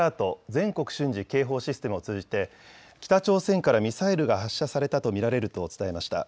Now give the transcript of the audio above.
・全国瞬時警報システムを通じて、北朝鮮からミサイルが発射されたと見られると伝えました。